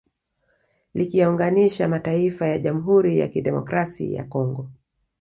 Likiyaunganisha mataifa ya Jamhuri ya Kidemokrasi ya Kongo